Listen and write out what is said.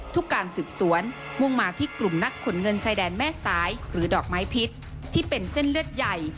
การสืบสวนมุ่งมาที่กลุ่มนักขนเงินชายแดนแม่สายหรือดอกไม้พิษที่เป็นเส้นเลือดใหญ่